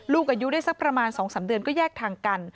ลูกอายุได้สักประมาณ๒๓เดือนก็แยกทางกัน